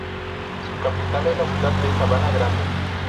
Su capital es la ciudad de Sabana Grande.